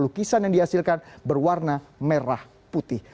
lukisan yang dihasilkan berwarna merah putih